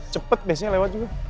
cepet biasanya lewat juga